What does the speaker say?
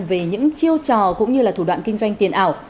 về những chiêu trò cũng như là thủ đoạn kinh doanh tiền ảo